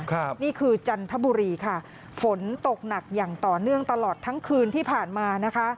นี่คือจันทบุรีค่ะฝนตกหนักอย่างต่อเนื่องตลอดทั้งคืนที่ผ่านมานะคะ